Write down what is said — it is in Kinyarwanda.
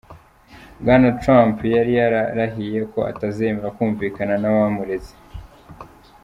Bwana Trump yari yararahiye ko atazemera kumvikana n'abamureze.